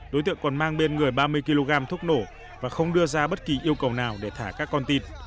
đối tượng còn mang bên người ba mươi kg thuốc nổ và không đưa ra bất kỳ yêu cầu nào để thả các con tim